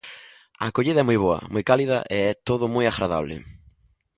A acollida é moi boa, moi cálida e é todo moi agradable.